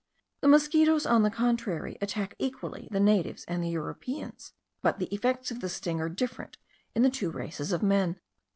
The mosquitos, on the contrary, attack equally the natives and the Europeans; but the effects of the sting are different in the two races of men.